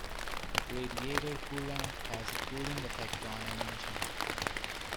Radiator coolant has a cooling effect on an Engine.